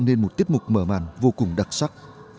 nên một tiết mục mở màn vô cùng đặc sắc